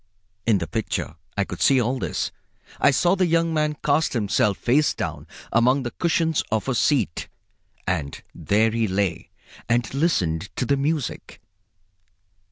In the picture I could see all this. I saw the young man cast himself face down among the cushions of a seat, and there he lay and listened to the music.